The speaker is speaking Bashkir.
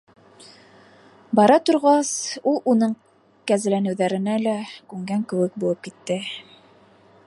Бара торгас, ул уның кәзәләнеүҙәренә лә күнгән кеүек булып китте.